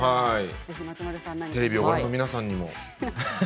テレビをご覧の皆さんにも。